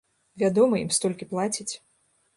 Вядома, ім столькі плацяць!